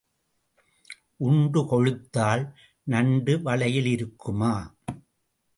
உண்டு கொழுத்தால் நண்டு வளையில் இருக்குமா?